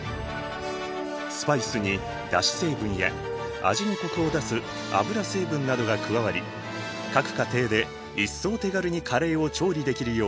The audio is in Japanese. スパイスにだし成分や味にコクを出す油成分などが加わり各家庭で一層手軽にカレーを調理できるようになる。